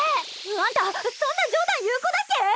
あんたそんな冗談言う子だっけ？